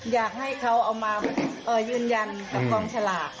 อยากให้เขาเอามายืนยันกับกองสลาก